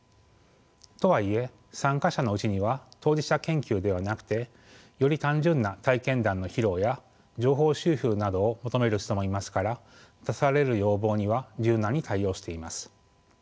とはいえ参加者のうちには当事者研究ではなくてより単純な体験談の披露や情報収集などを求める人もいますから出される要望には柔軟に対応しています。